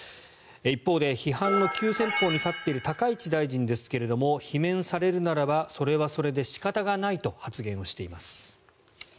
一方で、批判の急先鋒に立っている高市大臣ですけども罷免されるならばそれはそれで仕方がないと発言しています。